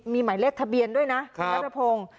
มีหมายเลขทะเบียนด้วยนะคุณนัทพงศ์